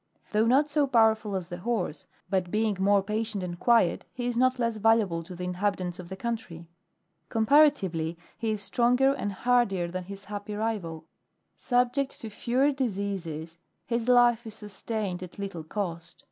Though not so powerful as the horse, but being more patient and quiet, he is not less valuable to the inhabitants of the country. Comparatively, he is stronger and hardier than his happy rival. Subject to fewer diseases, his life is sustained at little cost.